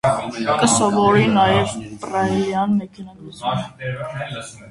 Կը սորվի նաեւ պռայլեան մեքենագրութիւն։